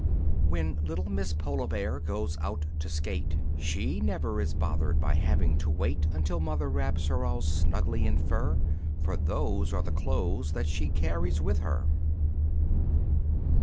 When little Miss Polar Bear goes out to skate, She never is bothered by having to wait Until mother wraps her all snugly in fur, For those are the clothes that she carries with her!